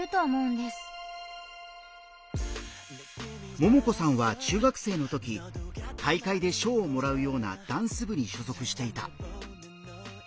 ももこさんは中学生のとき大会で賞をもらうようなダンス部に所属していた。